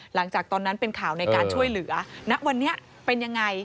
หลังจากนั้นเป็นข่าวในการช่วยเหลือณวันนี้เป็นยังไง